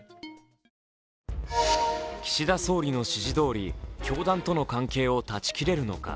岸田総理の指示どおり、教団との関係を断ちきれるのか。